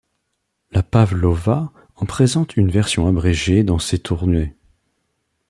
La Pavlova en présente une version abrégée dans ses tournées.